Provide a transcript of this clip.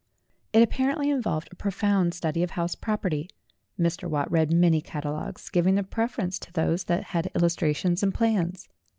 It apparently involved a pro found study of house property. Mr. Watt read many catalogues, giving the preference to those that had illustrations and plans.